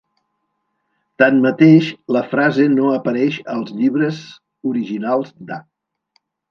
Tanmateix, la frase no apareix als llibres originals d'A.